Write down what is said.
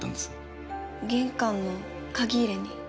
玄関の鍵入れに。